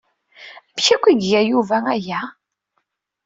Amek akk ay iga Yuba aya?